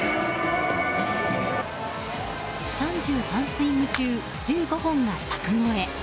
３３スイング中、１５本が柵越え。